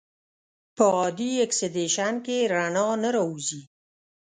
په عادي اکسیدیشن کې رڼا نه راوځي.